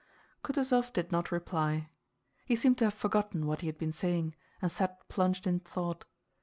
Kutúzov did not reply. He seemed to have forgotten what he had been saying, and sat plunged in thought.